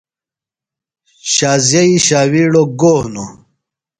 شازیئ ݜاوِیڑوۡ گو ہِنوۡ؟